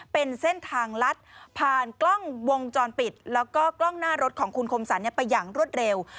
เป็นเส้นทางลัดผ่านกล้องวงจรปิดแล้วก็กล้องหน้ารถของคุณคมสรรไปอย่างรวดเร็ว